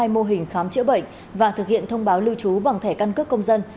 hai mô hình khám chữa bệnh và thực hiện thông báo lưu trú bằng thẻ căn cước công dân